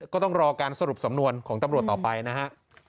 ก็ต้องรอการสรุปสำนวนของตำรวจต่อไปนะฮะ